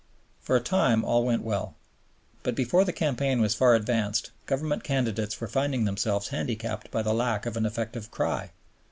For a time all went well. But before the campaign was far advanced Government candidates were finding themselves handicapped by the lack of an effective cry.